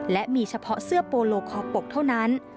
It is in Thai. และมีเฉพาะเสื้อโปโลคอปกเท่านั้น